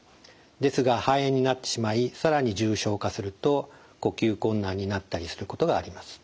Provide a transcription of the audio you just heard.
ですが肺炎になってしまい更に重症化すると呼吸困難になったりすることがあります。